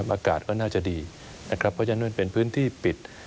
อากาศก็น่าจะดีเพราะฉะนั้นเป็นพื้นที่ปิด